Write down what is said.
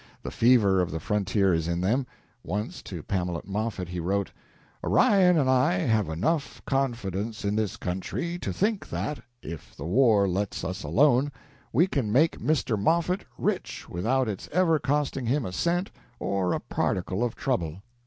The fever of the frontier is in them. Once, to Pamela Moffett, he wrote: "Orion and I have enough confidence in this country to think that, if the war lets us alone, we can make Mr. Moffett rich without its ever costing him a cent or a particle of trouble."